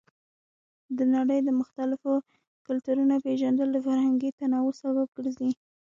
د نړۍ د مختلفو کلتورونو پیژندل د فرهنګي تنوع سبب ګرځي.